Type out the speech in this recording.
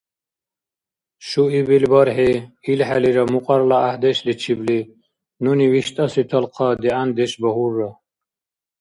Шуибил бархӀи, илхӀелира мукьарла гӀяхӀдешличибли, нуни виштӀаси талхъа дигӀяндеш багьурра.